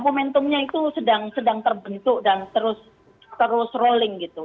momentumnya itu sedang terbentuk dan terus rolling gitu